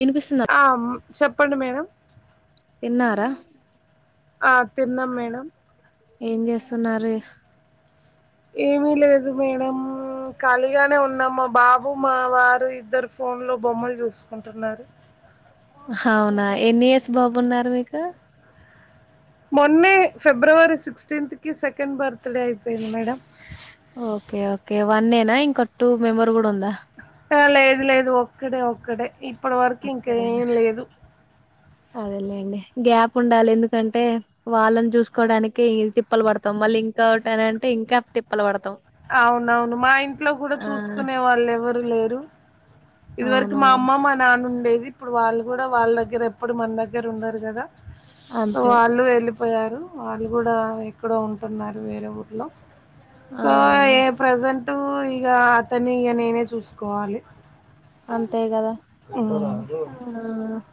వినిపిస్తుందా ఆ! హ్మ్. చెప్పండి మేడం తిన్నారా ఆ తిన్నాం మేడం ఏం చేస్తున్నారు ఏమీ లేదు మేడం ఖాళీగానే ఉన్నాం మా బాబు మా వారు ఇద్దరు ఫోన్ లో బొమ్మలు చూసుకుంటున్నారు అవునా ఎన్నియర్స్ బాబున్నారు మీకు మొన్నె ఫి ఫిబ్రవరి సిక్స్టీన్త్ కి సెకండ్ బర్త్డే అయిపోయింది మేడం ఓకే ఓకే వన్నేనా ఇంకా టూ మెంబర్ కూడా ఉందా లేదు లేదు ఒక్కడే ఒక్కడే ఇప్పటి వరకు ఒక్కడేనా ఇంకేమి లేదు అదేలేండి గ్యాప్ ఉండాలి ఎందుకంటే వాళ్ళని చూసుకోవడానికి తిప్పలు పడతాం మళ్ళీ ఇంకా ఒకటని అంటే ఇంకా తిప్పలు పడతాం అవునవును మా ఇంట్లో కూడా ఆ చూసుకునే వాళ్ళు ఎవరు లేరు ఇది వరకు అవును మా అమ్మ మా నాన్న ఉండే ఇప్పుడు వాళ్ళు కూడా వాళ్ళ దగ్గర ఎప్పుడు మన దగ్గర ఉండరు కదా ఆ అంతే వాళ్లు వీళ్లు పోయారు వాళ్ళు కూడా ఎక్కడో ఉంటున్నారు వేరే ఊర్లో ఆ సో ఏ ప్రెజెంట్ అటు ఇగ అతన్ని ఇక నేనే చూసుకోవాలి అంతే గదా ఆ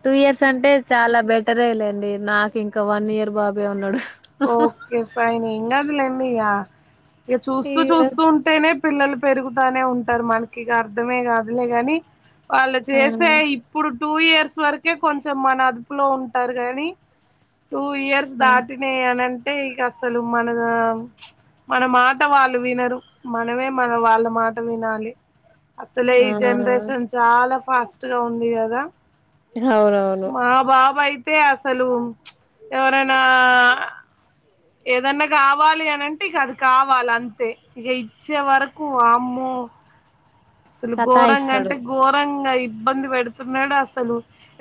టూ ఇయర్స్ అంటే చాలా బెస్ట్ సరేలేండి నాకు ఇంకా వన్ ఇయర్ బాబే ఉన్నాడు ఓకే ఫైన్ ఏం కాదులేండి ఇగ ఇక చూస్తూ ఇగ చూస్తూ ఉంటేనే పిల్లలు పెరుగుతానే ఉంటారు మనకి ఇక అర్ధమే కాదులే గాని వాళ్ళు ఆ చేసే ఇప్పుడు టూ ఇయర్స్ వరకే కొంచెం మన అదుపులో ఉంటారు గానీ టూ ఇయర్స్ ఆ దాటి ఏనంటే ఇక అసలు మన మన మాట వాళ్ళు వినరు మనమే మన వాళ్ళ మాట వినాలి అసలే ఆ ఈ జనరేషన్ చాలా ఫాస్ట్ లో ఉంది కదా అవునవును మా బాబయి తే అసలు ఇచ్ ఎవరనా ఏదన్నా కావాలి అనింటే ఇక అది కావాలి అంతే ఇక ఇచ్చే వరకు వామ్మో అసలు ఘోరంగా సతాయిస్తడు అంటే ఘోరంగా ఇబ్బంది పెడుతున్నాడు అసలు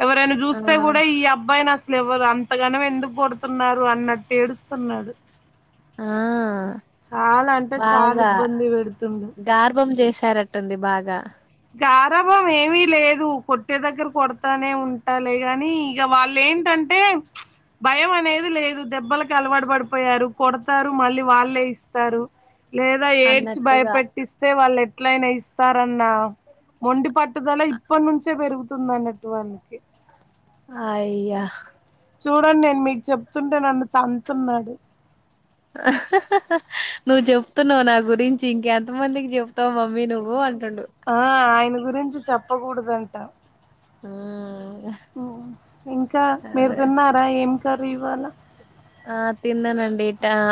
ఎవరైనా ఆ చూస్తే కూడా ఈ అబ్బాయిని అలు అంతగానం ఎందుకు పడుతున్నారు అన్నట్టు ఏడుస్తున్నాడు ఆ చాలా అంటే చాలా బాగా ఇబ్బంది పెడుతుండు గార్భం చేశారటటుంది బాగా గ ఆరభం ఏమి లేదు కొట్టే దగ్గర కొడతానే ఉంటాలి గాని ఇక వాళ్ళు ఏంటంటే భయం అనేది లేదు దెబ్బలలకు అలవాటు పడిపోయారు కొడతారు మళ్ళీ వాళ్ళే ఇస్తారు లేదా ఏడ్చి అన్నట్టుగా భయపెట్టిస్తే వాళ్ళు ఎ ఎట్లయినా ఇస్తారన్న మొండి పట్టుదల ఇప్పటి నుంచే పెరుగుతుంది వస్తుందన్నట్టు వాళ్ళకి అయ్యా చూడండి నేను మీకు చెప్తుంటే నన్ను తంతునాడు నువ్వు చెప్తున్నావు నా గురించి ఇంకెంత మందికి చెప్తావు మమ్మీ నువ్వు అంటే ఆ ఆయన గురించి చెప్పకూడదు అంటా ఉమ్ ఇంకా మీరు తిన్నారా ఏం కర్రీ ఇవాళ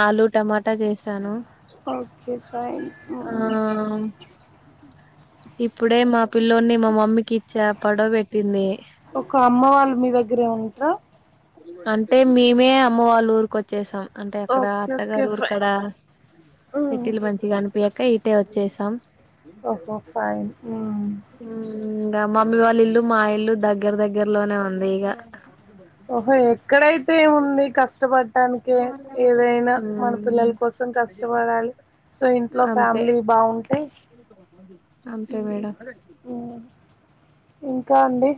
ఆలుూ టమాటా చేసాను ఓకే ఫైన్ ఆ ఉమ్ ఇప్పుడే మా పిల్లోని మా మమ్మీకి ఇచ్చా ఫోటో పెటింది ఒక అమ్మ వాళ్ళు మీ దగ్గరే ఉంట అంటే మేమే అమ్మ వాళ్ళ ఊరికు వచ్చేసాం అంటే అక్కడ ఓకే ఓకే అత్తగారు ఫైన్ ఊరుక్కడ ఉమ్, సెటిలు మంచిగా అనిపి [inaudible] ఇటే వచ్చేసాం ఓహో ఫైన్ ఉమ్. ఉమ్ గమ మమ్మి వాళ్ళ ఇల్లు మా ఇల్లు దగ్గర దగ్గరలోనే ఉంది ఇక ఓహో ఎక్కడైతే ఏముంది కష్టపడి చట్టటానికి ఏదైనా మన ఉమ్ పిల్లల కోసం కష్టపడాలి సో ఇంట్లో అంతే ఫ్యామిలీ బాగుంటాయి అంతే మేడం ఓ ఇంకా అండి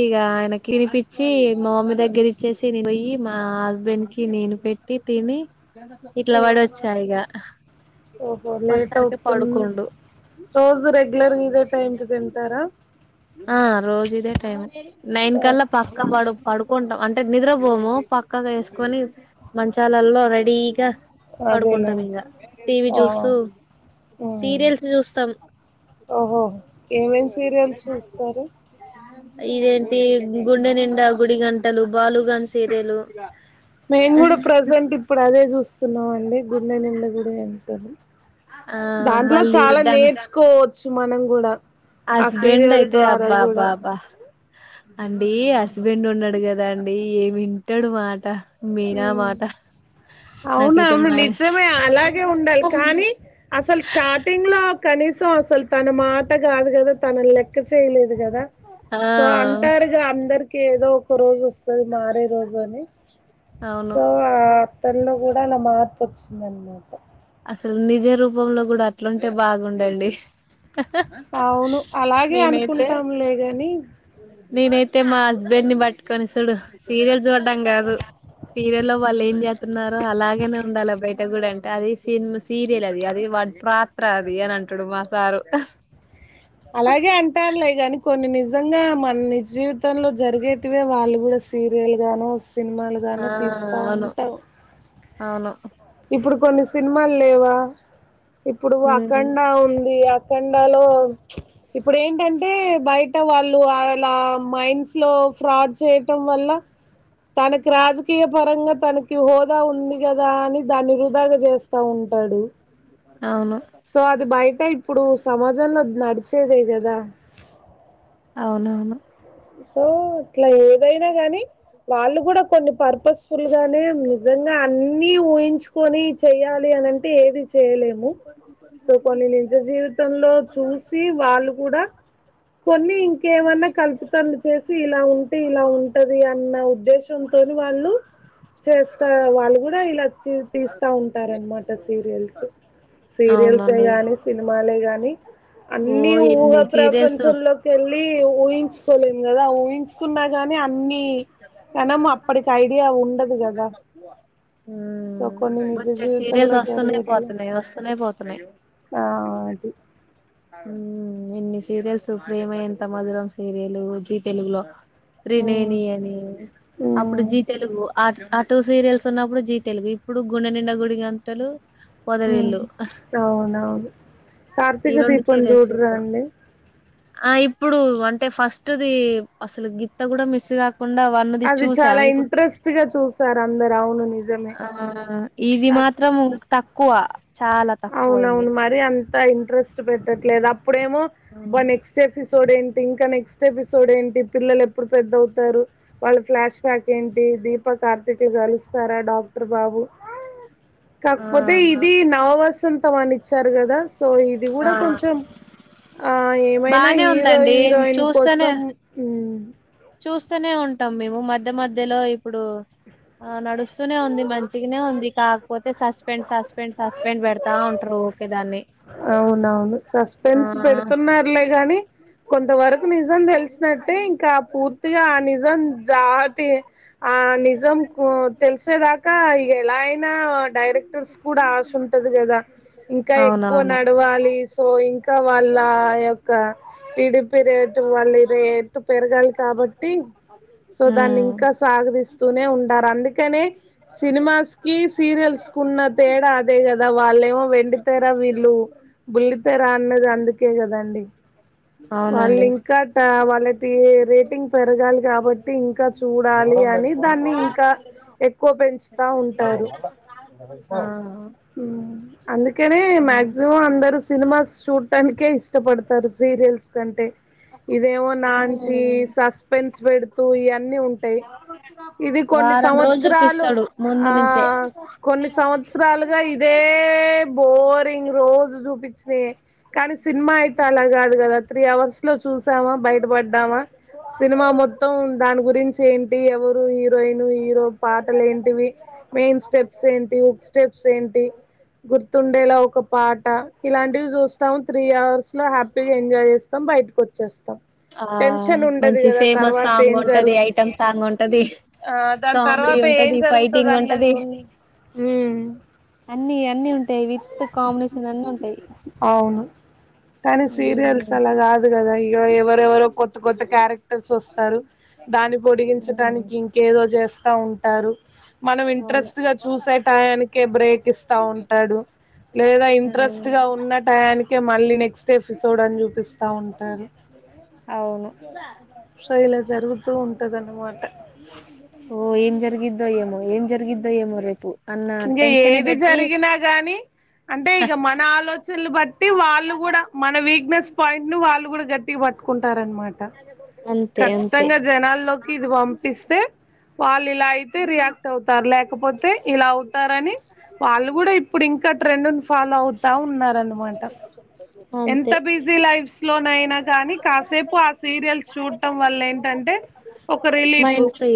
ఇగ ఆయనకి తినిపిచ్చి మా మమ్మీ దగ్గరి ఇచ్చేసి పోయి మా హస్బెండ్ కి నేను పెట్టి తిని ఇట్ల ఓ, వాడి వచ్చా ఇక ఓహో లేట్ వస్తరికి అవుతుంది పడుకుండు రోజు రెగ్యులర్గా ఇదే టైంకి తింటారా ఆ రోజిదే టైం నైన్ ఓహ్! కల్లా పక్క పడు టాం అంటే నిద్రపోము పక్కలు వేసుకొని మంచాలల్లో రెడీగా పడుకుంటాం అదేలేండి ఇంగా టీవీ ఆ చూస్తూ హ్మ్ సీరియల్స్ చూస్తాం ఓహోహో ఏమేమి సీరియల్స్ చూస్తారు ఇదేంటి గుండెనిండా గుడి గంటలు బాలుగాన్ సీరియలు సున్నామ్ అండి గుండెనిండా గుడి గంటలు ఆ దాంట్లో మళ్ళీ చాలా దాని నేర్చుకో చు మనం కూడా ఆ హస్బెండ్ సీరియల్ అయితే ద్వారా అబ్బా కూడా బ్బా బ్బా అండి హస్బెండ్ ఉన్నాడు కదా అండి ఏమి వింటాడు మాట మీనా మాట నాకైతే అవునవును మా ఆయన నిజమే అలాగే ఉండాలి కానీ అసలు స్టార్టింగ్ లో కనీసం అసలు తన మాట కాదు కదా తనన్ లెక్క చేయలేదు కదా ఆ సో అంటారుగా అందరు ఏదో ఒక రోజు అది మారే రోజు అని సో అవును ఆ అతనలో కూడా అలా మార్పు వచ్చింది ధన్యవాద అసలు నిజ రూపంలో కూడా అట్లుంటే బాగుండండి అవును అలాగే అనుకుంటాంలేగాని నేనైతే మా హస్బెండ్ని బట్టుకొని చూడు సీరియల్ చూడ్డం కాదు సీరియలో వాళ్ళు ఏం చే చెతున్నారు అలాగేనే ఉండాలా బయట కూడా అంటే అది సిని సీరియల్ అది అది పాత్ర అది అని అంటాడు మా సారు అలాగే అంటారులే కానీ కొన్ని నిజంగా మన జీవితంలో జరిగేటివే వాళ్ళు కూడా సీరియల్ గాను ఆ సినిమాలుగాను తీస్తూ అవును ఉంటావు అవును ఇప్పుడు కొన్ని సినిమాలు లేవా ఇప్పుడు ఉమ్, అఖండ ఉంది అఖండాలో ఇప్పుడు ఏంటంటే బయ టే వాళ్ళు అళ మైండ్స్ లో ఫ్రాడ్ చేయటం వల్ల తనకి రాజకీయ పరంగా తనకి హోదా ఉంది కదా అని దాన్ని వృధాగా చేస్తా ఉంటాడు అవును సో అది బయట ఇప్పుడు సమాజంలో నడిచేదే కదా అవునవును. సో ఇట్లా ఏదైనా గాని వాళ్ళు కూడా కొన్ని పర్పస్ ఫుల్ గానే నిజంగా అన్ని ఊహించుకొని చేయాలి. అని అంటే ఏది చేయలేము. సో కొన్ని నిజ జీవితంలో చూసి వాళ్ళు కూడా కొన్ని ఇంకేమన్నా కల్పి వచ్చేసి ఇలా ఉంటే ఇలా ఉంటది అన్న ఉద్దేశంతోని వాళ్ళు చేస్తా వాళ్ళు కూడా ఇలాచ్చి తీస్తా ఉంటారు. అనమాట సీరియల్స్ సీరియల్సే అవునండి కానీ సినిమాలే గానీ ఓ అన్నీ ఊహా ఎన్ని సీరియల్స్ ప్రపంచంలోకెళ్ళి కోలేం కదా ఊహించుకున్నా గాని అన్ని కనం అప్పటికి ఐడియా ఉండదు. కదా సో కొన్ని నిజ బొచ్చడు జీవితంలో సీరియల్స్ వస్తున్నాయి జరిగేటీవీ పోతున్నాయి వస్తున్నాయి పోతున్నాయి ఆ అది ఉమ్ ఎన్ని సీరియల్స్ ప్రేమ ఎంత మధురం సీరియల్ లు జి తెలుగులో ఉమ్ త్రినేని అని అప్పుడు ఉమ్ G Telugu at at two serials ఉన్నప్పుడు జీ తెలుగు ఇప్పుడు గుండె నిండ గుడి గంటలు ఉమ్ పొదరిల్లు అవునవును ఈ కార్తీక రెండు దీపం సీరియల్స్ చూడరా చూస్తాం అండి. ఆ ఇప్పుడు అంటే ఫస్ట్ ఫస్ట్ ది అసలు గింత గూడా మీస్ గాక్ తప్పకుండా వన్ ది అది చూసాం చాలా ఇప్పుడు ఇంట్రెస్ట్ గా చూసారు అందరు అవును నిజమే ఆ ఇది మాత్రం క్కువా చాలా తక్కువైయింది. అవునవును మరి అంత ఇంట్రెస్ట్ పెట్టట్లేదు. అప్పుడేమో అబ్బా నెక్స్ట్ ఎఫిసోడ్ ఏంటి? ఇంకా నెక్స్ట్ నక్స్ట్ ఎపిసోడ్ ఏంటి పిల్లలు ఎప్పుడు పెద్దవుతారు. వాళ్ళ ఫ్లాష్ బ్యాక్ ఏంటి దీపా కార్తీకులు కలుస్తారా? డాక్టర్ బాబు ఆ కాకపోతే ఇది నవ వస్ సంతం అని ఇచ్చారు. కదా సో ఇది ఆ, ఆ. కూడా కొంచెం ఆ ఏమైనా బానే హీరో ఉందండి హీరోయిన్ చూస్తేనే కోసం ఉమ్ చూస్తూనే ఉంటాం. మేము మధ్య మధ్యలో ఇప్పుడు ఆ నడుస్తూనే ఉంది. మంచిగానే ఉంది కాకపోతే సస్పెండ్ సస్పెండ్ సస్పెండ్ పెడతా ఉంటరు. ఊకే దాన్ని అవునవును ఆ సస్పెన్స్ పెడుతున్నారులే గాని కొంతవరకు నిజం తెలిసినట్టే ఇంకా పూర్తిగా ఆ నిజం దాటి ఆ నిజం కు తెలిసేదాకా ఇగ ఎలైనా డైరెక్టర్స్ కూడా ఆశ ఉంటది కదా ఇంకా ఏక్ ఎక్కువ అవునవును నడవాలి సో ఇంకా వాళ్ళ ఆ యొక్క ఇడిపి రేట్ వాళ్ళ రేట్ ప్ పెరగాలి కాబట్టి సో ఉమ్ దాన్నింకా సాగ దిస్తూనే ఉంటారు. అందుకనే సినిమాస్ కి సీరియల్స్ కి వున్న తేడా అదే గదా వాళ్లేమో వెండితెర వీల్ ఊ బుల్లితేరా అన్నది. అందుకే కదండి వాళ్ళు అవునండి ఇంకా ట వాళ్ళ తీయ్ రేటింగ్ పెరగాలి కాబట్టి ఇంకా చూడాలి. అని దాన్ని ఇంకా ఎక్కువ పెంచుత ఉంటారు. ఆ అందుకే అవును అందరుూ సినిమాస్ చూడానికే ఇష్టపడతారు సీరియల్స్ కంటే ఇదేమో ఉమ్, పెడు ఇ ఉంటాయి ఇ కొ వారం సం రోజులు చూపిస్తాడు ముందు నుంచే కొ సం ఇే బ రోజు చూపించిన కానీ సినిమా అయితే అలా కాదు కదా త్రీ అవర్స్ లో చూసామా పడ్డామా సినిమా మొత్తం దాని గురించి ఏంటి ఎవరు హీరోయిన్ హీరో పాటలు ఏంటివి మెయిన్ స్టెప్స్ ఏంటి ఒక స్టెప్స్ ఏంటి గుర్తుండేలా ఒక పాట ఇలాంటివి చూస్తాం త్రీ అవర్స్ లో హ్యాపీగా ఎంజాయ్ చేస్తాం బయటకు వచ్చేస్తాం ఆ టెన్షన్ ఉండదు మంచి కదా ఫేమస్ తర్వాత సాంగ్ ఏం ఉంటది జరుగు ఐటమ్ సాంగ్ ఉంటది ఆ దాని కామెడీ తర్వాత ఏం ఉంటది జరుగుతది ఫైటింగ్ అందులో ఉంటది చూడని ఉమ్ అ అ ఉంట ాయి విత్ కాంబినేషన్ అన్నీ ఉంటాయి అవును కానీ సీరియల్స్ అలా కాదు కదా ఎవరెవరో కొత్త కొత్త క్యారెక్టర్స్ వస్తారు దాన్ని ఉమ్ పొడిగించడానికి ఇంకేదో చేస్తా ఉంటారు మనం అవును ఇంట్రెస్ట్ గా చూసే టాయానికే బ్రేక్ ఇస్తా ఉంట లేదా ఇంట్రెస్ట్ ఉమ్ గా ఉన్న టయానికే మళ్ళీ నెక్స్ట్ ఎపిసోడ్ అని చూపిస్తా ఉంటారు అవును సో ఇలా జరుగుతూ ఉంటది అన్నమాట జరిగాయమ ఏం జరిగద్దాయ ఏమో రేపు అన్న ఇంకా టెన్షనే ఏది పెట్టి జరిగినా గానీ అంటే ఇక మన ఆలోచనలు బట్టి టి వాళ్ళు కూడా మన వీక్నెస్ పాయింట్ ను వాళ్ళు కూడా గట్టిగా పట్టుకుంటారనమాట అంతే అంతే ఖచ్చితంగా జనాల్లోకి ఇది పంపిస్తే పల్ ఇలా అయితే రియాక్ట్ అవుతారు లేకపోతే ఇలా అ ని వాళ్ళు కూడా ఇప్పుడు ఇంకా ట్రెండ్ ఫాలో అవుతా ఉన్నారుారనమాట ఎంత అంతే బిజీ లైఫ్స్ లోనయినా కానీ కాసేపు ఆ సీరియల్స్ చూడటం వల్ల ఏంటంటే ఒక రిలీఫ్ మైండ్ ఫ్రీ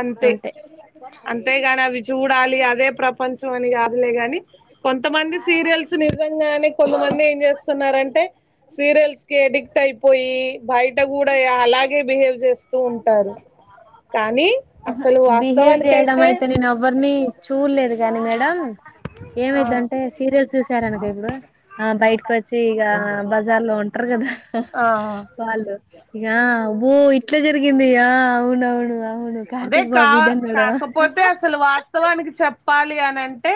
అంతే అంతేగాని అవి చూడాలి అదే ప్రపంచం అని కాదులే గాని కొంతమంది సీరియల్స్ నిజంగానే కొంతమంది ఏం చేస్తున్నారంటే సీరియల్స్ కి అడిక్ట్ అయిపోయి బయట కూడా అలాగే బిహేవ్ చేస్తూ ఉంటారు కానీ అసలు బిహేవ్ చేయడం వాస్తవానికైతే అయితే నేను ఎవరిని చూలేదు కాగానీ మేడం ఆ ఏమైదింటే సీరియల్ చూసి వచ్చనక ఇప్పుడు బయటకి వచ్చి ఇ బజార్ లో ంటారు కదా ఆ వాాల ఇక అబో ఇట్లా జరిగిందియా అవునవును వును అదే కార్తి కా కాకపోతే అసలు వాస్తవానికి చెప్ప పాలియనంటే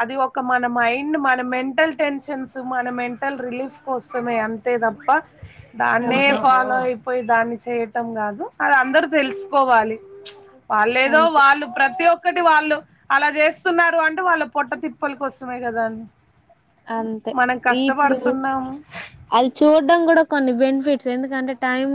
అది ఒక మన మైండ్ మన మెంటల్ టెన్షన్స్ మన మెంటల్ రిలీఫ్ కోసమే అంతే తప్ప దాన్నే అంతే ఫాలో అయి పోయి దాన్ని చేయటం కాదు అది అందరు తెలుసుకోవాలి వాళ్ళేదో అంతే వాళ్ళు ప్రతి ఒక్కటి వాళ్ళు అలా చేస్ స్తున్నారు అంటే వాళ్ళకు పొట్ట తిప్పల్ కోసమే కదా అండి అంతే మనం ఈ ఇప్పుడు కష్టపడుతున్నాము అల్ చూడు డం కూడా కొన్ని బెనిఫిట్స్ ఎందుకంటే టైం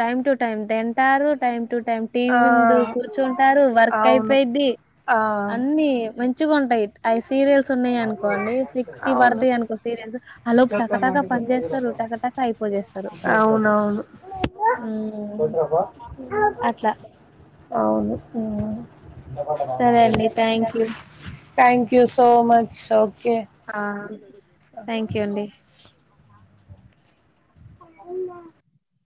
టైమ్ టు టైం తింటారు టైం టు టైమ్ టీవీ ఆ ముందు కూర్చుంటారు వర్క్ అవును అయిపోయిద్ది ఆ అన్ని మం ఇచ్చుకుంటాయిట్ అయి సీరియల్స్ ఉన్నాయి అనుకోండి సిక్స్ ఇవి అవును పడతాయి అనుకో సీరియల్స్ అ లోపు టకటాకా పని చేస్తారు టకటాక అయిపోజేస్తారు అవునవును ఉమ్ అట్లా అవును ఉ సరే అండి thank you thank you so much షౌట్ ఆ థ్యాంక్ యూ అండి ఉంద